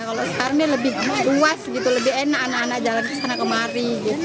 kalau sekarang lebih luas lebih enak anak anak jalan ke sana kemari